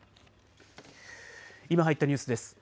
今入ったニュースです。